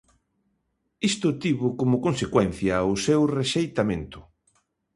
Isto tivo como consecuencia o seu rexeitamento.